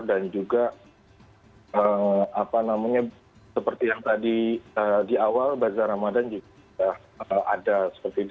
dan juga seperti yang tadi di awal bazar ramadan juga ada seperti itu